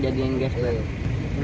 jadi gas baru